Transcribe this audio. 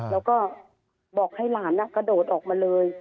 แล้วก็บอกให้หลานกระโดดออกมาเลย